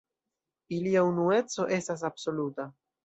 Ilia unueco estas absoluta.